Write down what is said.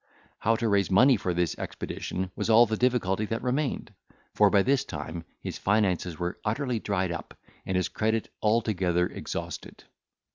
How to raise money for this expedition was all the difficulty that remained; for, by this time, his finances were utterly dried up, and his credit altogether exhausted.